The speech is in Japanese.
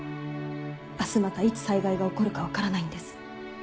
明日またいつ災害が起こるか分からないんです。